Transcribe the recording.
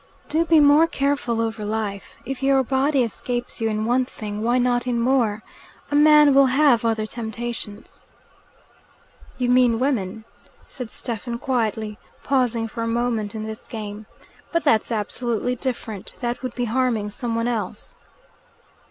"Do be more careful over life. If your body escapes you in one thing, why not in more? A man will have other temptations." "You mean women," said Stephen quietly, pausing for a moment in this game. "But that's absolutely different. That would be harming some one else."